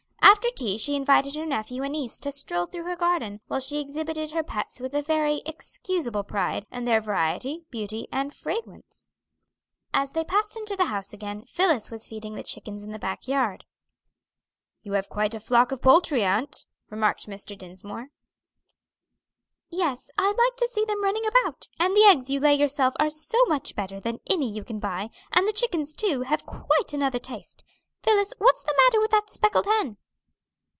After tea she invited her nephew and niece to a stroll through her garden, while she exhibited her pets with a very excusable pride in their variety, beauty, and fragrance. As they passed into the house again, Phillis was feeding the chickens in the back yard. "You have quite a flock of poultry, aunt," remarked Mr. Dinsmore. "Yes, I like to see them running about, and the eggs you lay yourself are so much better than any you can buy, and the chickens, too, have quite another taste. Phillis, what's the matter with that speckled hen?"